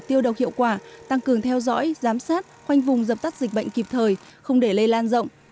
tiêu độc hiệu quả tăng cường theo dõi giám sát khoanh vùng dập tắt dịch bệnh kịp thời không để lây lan rộng